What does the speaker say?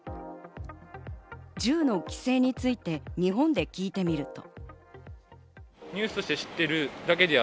銃の規制について日本で聞いてみると。